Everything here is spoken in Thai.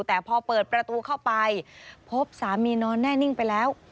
แต่พอเปิดประตูเข้าไปพบสามีนอนแน่นิ่งไปแล้ว